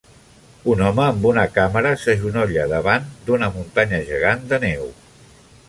Un home amb una càmera s'agenolla davant d'una muntanya gegant de neu.